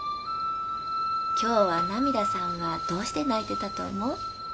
今日はナミダさんはどうして泣いてたと思う？